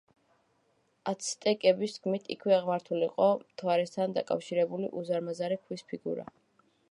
აცტეკების თქმით, იქვე აღმართული იყო მთვარესთან დაკავშირებული უზარმაზარი ქვის ფიგურა.